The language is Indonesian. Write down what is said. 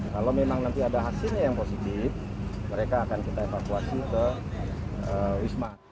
kalau memang nanti ada hasilnya yang positif mereka akan kita evakuasi ke wisma